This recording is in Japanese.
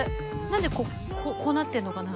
何でこうこうなってんのかな？